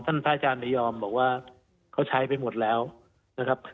พระอาจารย์ระยองบอกว่าเขาใช้ไปหมดแล้วนะครับ